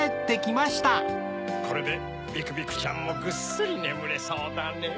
これでビクビクちゃんもぐっすりねむれそうだねぇ。